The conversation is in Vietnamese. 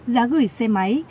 giá gửi xe máy